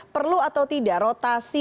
perlu atau tidak rotasi